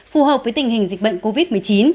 phù hợp với tình hình dịch bệnh covid một mươi chín